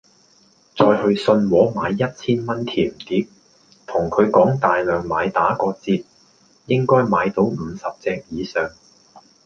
再去信和買一千蚊甜碟，同佢講大量買打個折，應該買到五十隻以上